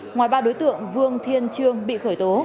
ngoài ba đối tượng vương thiên trương bị khởi tố